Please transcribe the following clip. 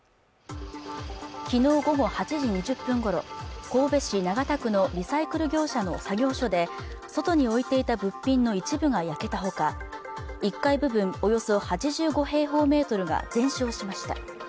昨日午後８時２０分ごろ神戸市長田区のリサイクル業者の作業所で外に置いていた物品の一部が焼けたほか１階部分およそ８５平方メートルが全焼しました